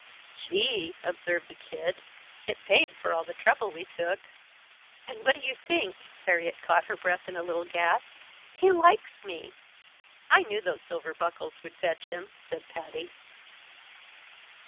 "Gee!" observed the Kid. "It paid for all the trouble we took." "And what do you think?" Harriet caught her breath in a little gasp. "He likes me!" "I knew those silver buckles would fetch him!" said Patty.